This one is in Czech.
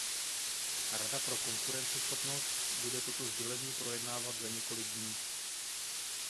Rada pro konkurenceschopnost bude toto sdělení projednávat za několik dní.